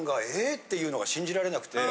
っていうのが信じられなくて。